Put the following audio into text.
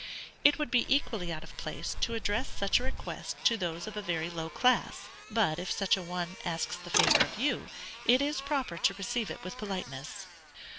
It would be equally out of place to address such a request to those of a very low class; but if such an one asks the favor of you, it is proper to receive it with politeness.